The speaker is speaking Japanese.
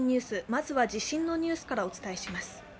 まずは地震のニュースからお伝えします。